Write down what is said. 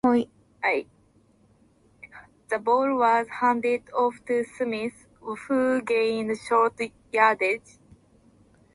The ball was handed off to Smith, who gained short yardage.